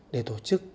để tổ chức